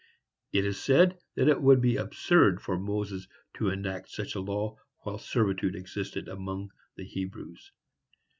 It is said that it would be absurd for Moses to enact such a law while servitude existed among the Hebrews.